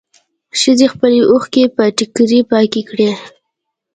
ښځې خپلې اوښکې په ټيکري پاکې کړې.